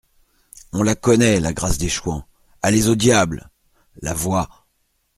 On la connaît, la grâce des chouans ! Allez au diable ! LA VOIX.